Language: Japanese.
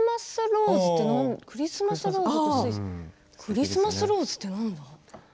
クリスマスローズって何だ？